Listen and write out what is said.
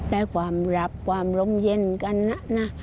และความหลับความลมเย็นกันน่ะนะ